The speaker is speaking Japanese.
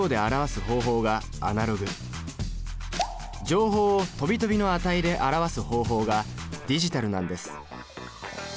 情報をとびとびの値で表す方法がディジタルなんです。